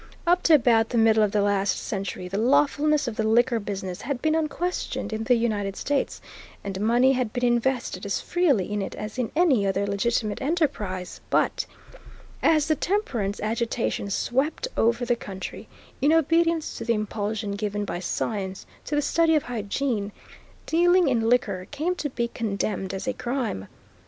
Up to about the middle of the last century the lawfulness of the liquor business had been unquestioned in the United States, and money had been invested as freely in it as in any other legitimate enterprise; but, as the temperance agitation swept over the country, in obedience to the impulsion given by science to the study of hygiene, dealing in liquor came to be condemned as a crime.